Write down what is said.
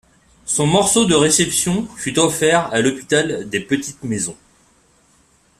Son morceau de réception fut offert à l'hôpital des Petites-maisons.